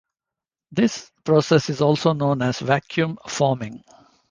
This process is also known as vacuum forming.